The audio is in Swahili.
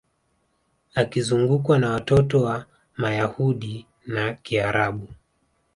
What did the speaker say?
Akizungukwa na watoto wa Mayahudi na Kiarabu